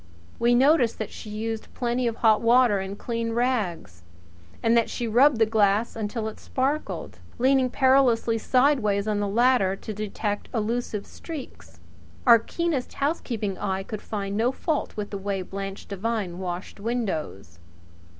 We noticed that she used plenty of hot water and clean rags, and that she rubbed the glass until it sparkled, leaning perilously sideways on the ladder to detect elusive streaks. Our keenest housekeeping eye could find no fault with the way Blanche Devine washed windows.